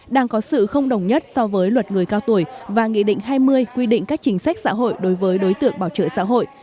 đang có sự không đồng nhất so với luật người cao tuổi và nghị định hai mươi quy định các chính sách xã hội đối với đối tượng bảo trợ xã hội